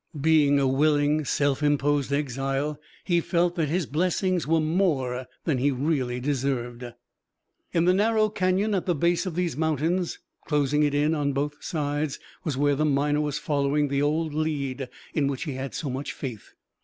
Being a willing, self imposed exile, he felt that his blessings were more than he really deserved. In the narrow canon at the base of these mountains, closing it in on both sides, was where the miner was following the old lead in which he had so much faith.